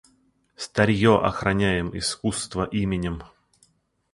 Старье охраняем искусства именем.